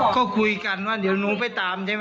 ก็คุยกันว่าเดี๋ยวหนูไปตามใช่ไหม